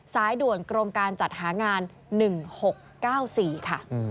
สายด่วนกรมการจัดหางาน๑๖๙๔ค่ะ